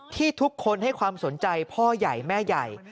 ที่ทุกคนให้ความสนใจพ่อใหญ่แม่ใหญ่